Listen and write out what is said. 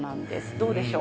どうでしょう？